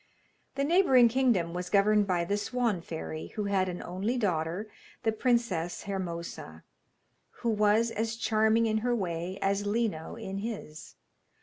The neighbouring kingdom was governed by the Swan fairy, who had an only daughter, the Princess Hermosa, who was as charming in her way as Lino in his.